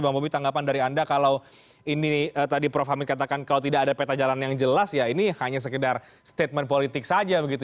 bang bobi tanggapan dari anda kalau ini tadi prof hamid katakan kalau tidak ada peta jalan yang jelas ya ini hanya sekedar statement politik saja begitu